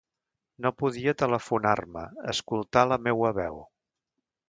No podia telefonar-me, escoltar la meua veu.